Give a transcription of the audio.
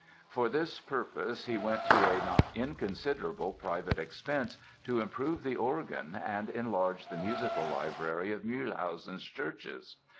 For this purpose he went to a not inconsiderable private expense to improve the organ and enlarge the musical library of Mühlhausen's churches.